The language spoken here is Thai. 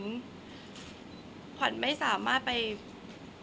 แต่ขวัญไม่สามารถสวมเขาให้แม่ขวัญได้